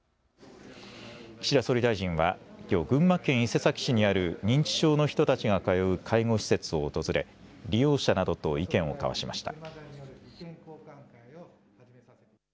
岸田総理大臣はきょう群馬県伊勢崎市にある認知症の人たちが通う介護施設を訪れ利用者などと意見を交わしました。